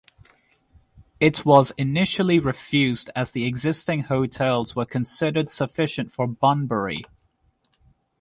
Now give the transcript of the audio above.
It was initially refused as the existing hotels were considered sufficient for Bunbury.